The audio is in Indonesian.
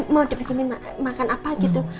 mau dibikinin makan apa gitu